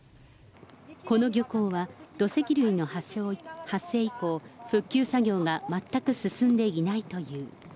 この漁港は土石流の発生以降、復旧作業が全く進んでいないという。